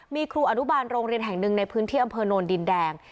มีครูอนุบาลโรงเรียนแห่งหนึ่งในพื้นที่อำเภอโนนดินแดง